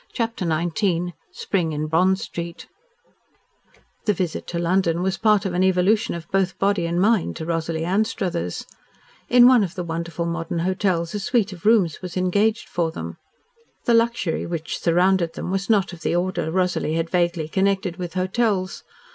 CHAPTER XIX SPRING IN BOND STREET The visit to London was part of an evolution of both body and mind to Rosalie Anstruthers. In one of the wonderful modern hotels a suite of rooms was engaged for them. The luxury which surrounded them was not of the order Rosalie had vaguely connected with hotels.